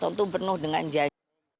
tentu penuh dengan jaminan